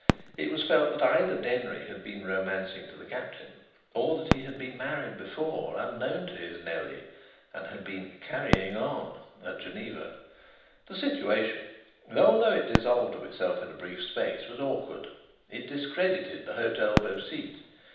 It was felt that either Denry had been romancing to the Captain, or that he had been married before, unknown to his Nellie, and had been "carrying on" at Geneva. The situation, though it dissolved of itself in a brief space, was awkward. It discredited the Hôtel Beau Site.